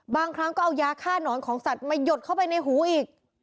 บางครั้งก็เอายาฆ่าหนอนของสัตว์มาหยดเข้าไปในหูอีก